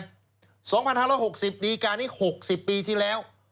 ๒๕๐๐แล้ว๖๐ดีกานี้๖๐ปีที่แล้ว